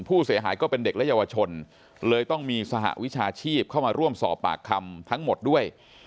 ผู้เสียหายก็เป็นเด็กและเยาวชนเลยต้องมีสหวิชาชีพเข้ามาร่วมสอบปากคำทั้งหมดด้วย